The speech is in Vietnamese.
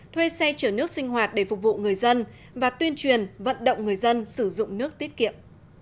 thuê xe chở nước sinh hoạt để phục vụ người dân và tuyên truyền vận động người dân sử dụng nước tiết kiệm